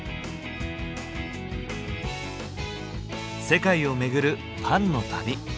世界を巡るパンの旅。